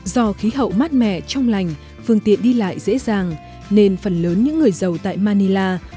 do khí hậu mát mẻ trong lành phương tiện đi lại dễ dàng nên phần lớn những người giàu tại manila